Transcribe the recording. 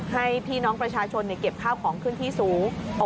ให้พี่น้องประชาชนเก็บข้าวของขึ้นที่สูง